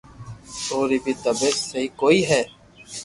اي ري بي طبعيت سھي ڪوئي ني